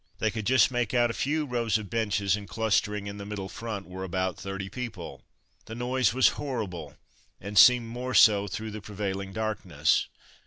They could just make out a few rows of benches, and clustering in the middle front were about thirty people. The noise was horrible, and seemed more so through the prevailing darkness.